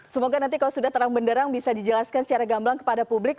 semoga nanti kalau sudah terang benderang bisa dijelaskan secara gamblang kepada publik